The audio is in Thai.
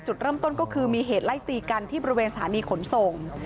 จุดเริ่มต้นก็คือมีเหตุไล่ตีกันที่บริเวณสถานีขนส่ง